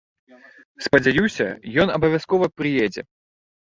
Спадзяюся, ён абавязкова прыедзе!